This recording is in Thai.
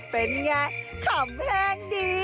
เป็นไงขำแห้งดี